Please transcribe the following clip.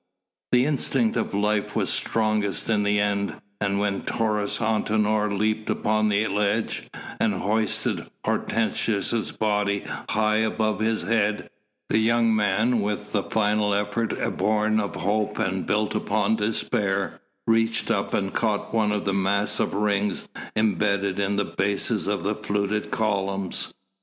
The instinct of life was strongest in the end, and when Taurus Antinor leapt upon the ledge and hoisted Hortensius' body high up above his head, the young man, with the final effort borne of hope and built upon despair, reached up and caught one of the massive rings imbedded in the bases of the fluted columns.